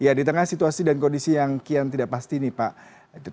ya di tengah situasi dan kondisi yang kian tidak pasti nih pak